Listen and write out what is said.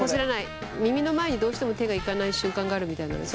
耳の前にどうしても手がいかない習慣があるみたいなので。